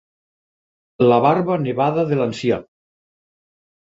La barba nevada de l'ancià.